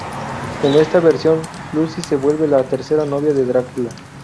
En esta versión, Lucy se vuelve la tercera novia de Drácula.